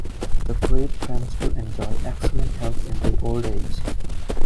The breed tends to enjoy excellent health into old age.